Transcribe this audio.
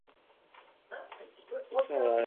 This location is still in operation to this day.